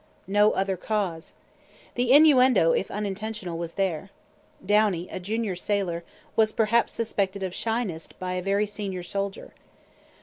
'No other cause.' The innuendo, even if unintentional, was there. Downie, a junior sailor, was perhaps suspected of 'shyness' by a very senior soldier.